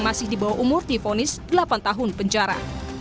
masih dibawa umur difonis delapan tahun penjara